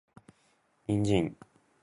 人参